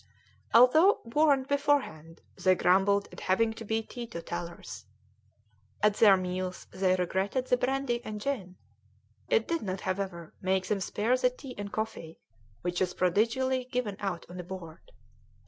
Although warned beforehand, they grumbled at having to be teetotallers; at their meals they regretted the brandy and gin; it did not, however, make them spare the tea and coffee, which was prodigally given out on board.